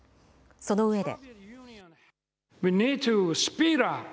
そのうえで。